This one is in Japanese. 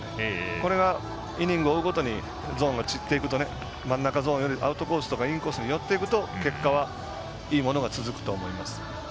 これがイニング追うごとにゾーンが散っていくと真ん中ゾーンよりアウトコースやインコースに寄っていくと結果、続くと思います。